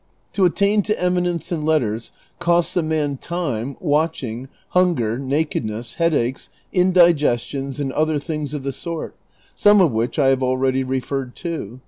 To attain to eminence in letters costs a man time, watching, hunger, nakedness, headaches, indigestions, and other things of the sort, some of which I have already referred to.